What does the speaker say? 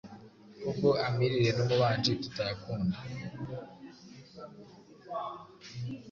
kuko amirire n’umubanji tutayakunda.